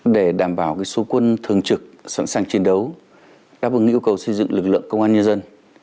để đảm bảo số quân thường trực sẵn sàng chiến đấu đáp ứng yêu cầu xây dựng lực lượng công an nhân dân